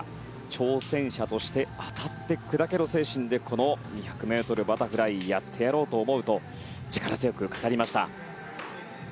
挑戦者として当たって砕けろ精神でこの２００ｍバタフライをやってやろうと思うと力強く語りました。